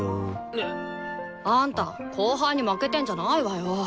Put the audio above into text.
あんた後輩に負けてんじゃないわよ。